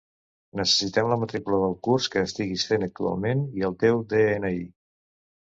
Necessitem la matrícula del curs que estiguis fent actualment i el teu de-ena-i.